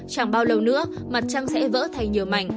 chẳng bao lâu nữa mặt trăng sẽ vỡ thành nhiều mảnh